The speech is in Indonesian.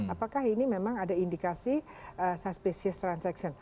apakah ini memang ada indikasi suspecies transaction